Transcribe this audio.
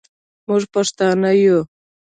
موږ پښتانه یو.